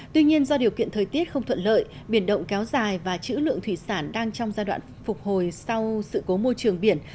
tuy nhiên do điều kiện thời tiết không thuận lợi biển động kéo dài và chữ lượng thủy sản đang trong giai đoạn phục hồi sau sự cố môi trường biển